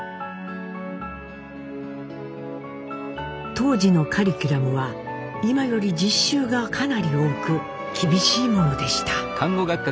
当時のカリキュラムは今より実習がかなり多く厳しいものでした。